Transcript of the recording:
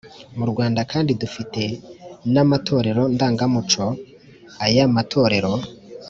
Mu Rwanda kandi dufite n’amatorero ndangamuco. Aya matorero